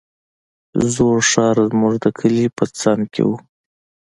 زوړ ښار زموږ د کلي په څنگ کښې و.